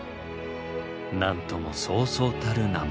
なんともそうそうたる名前。